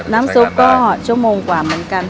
น้ำซุปก็ชั่วโมงกว่าเหมือนกัน